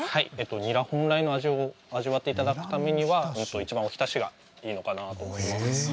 ニラ本来の味を味わっていただくためには、いちばんお浸しがいいのかなと思います。